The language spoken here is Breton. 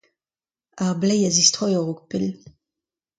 Ar bleiz a zistroy a-raok pell.